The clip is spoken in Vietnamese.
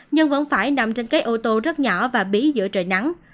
nhưng vẫn phải nằm trên cây ô tô rất nhỏ và bí giữa trời nắng